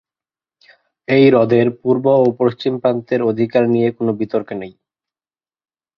এই হ্রদের পূর্ব ও পশ্চিম প্রান্তের অধিকার নিয়ে কোন বিতর্ক নেই।